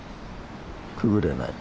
くぐれない。